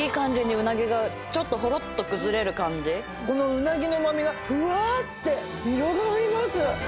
うなぎのうま味がふわって広がります。